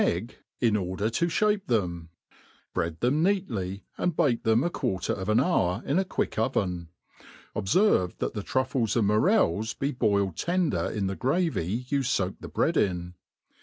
99 egg> in order to (hape them, bread them neatly, and bake them a quarter of an hour in a quick oven: obferve that the truAes and morels be boiled tender in the gravy you foak the bread in.